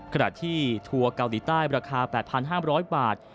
ขณะที่ทัวร์เกาหลีใต้ราคา๘๕๐๐บาท